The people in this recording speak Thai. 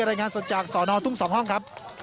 รายงานสดจากสอนอทุ่ง๒ห้องครับ